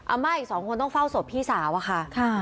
อาม่าอีก๒คนต้องเฝ้าศพพี่สาวค่ะ